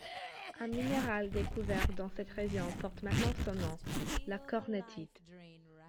Un minéral découvert dans cette région porte maintenant son nom: la Cornétite.